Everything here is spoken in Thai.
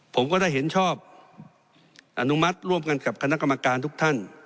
ผมก็ได้เห็นชอบอนุมัติร่วมกันกับคณะกรรมการทุกท่าน